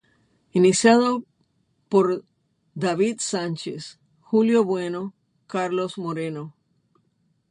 Iniciado por David Sánchez, Julio Bueno, Carlos Moreno.